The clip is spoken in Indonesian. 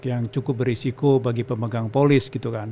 yang cukup berisiko bagi pemegang polis